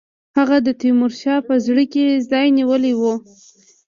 هغه د تیمورشاه په زړه کې ځای نیولی وو.